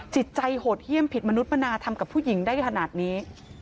จิตใจโหดเยี่ยมผิดมนุษย์มนาทำกับผู้หญิงได้ขนาดนี้